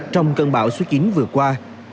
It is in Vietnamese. trong cơn bão số chín vừa qua